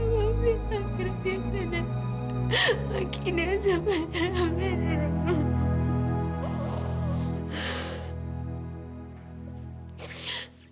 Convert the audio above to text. terima kasih tak keras desa dan makinnya sampai ramai ya allah